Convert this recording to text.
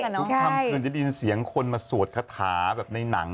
ตัวถึงตื่นที่จะยินเสียงคนมาสวดคาถาแบบในนัง